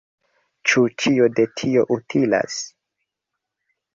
Ĉu ĉio de tio utilas?